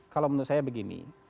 kalau menurut saya begini